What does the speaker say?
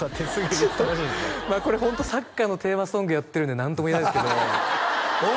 ちょっとこれホントサッカーのテーマソングやってるんで何とも言えないですけどハハハハハおい！